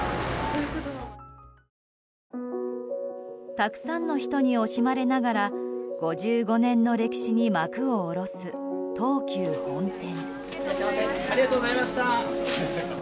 たくさんの人に惜しまれながら５５年の歴史に幕を下ろす東急本店。